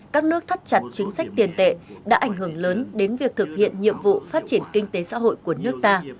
các nước thắt chặt chính sách tiền tệ đã ảnh hưởng lớn đến việc thực hiện nhiệm vụ phát triển kinh tế xã hội của nước ta